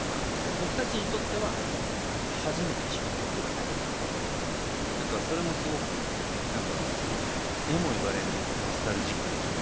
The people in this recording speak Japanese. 僕たちにとっては初めて聴く曲だったりとかしてそれもすごく何かえも言われぬノスタルジックな気持ちに包まれたのを思い出します。